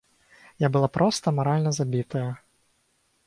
Я была проста маральна забітая.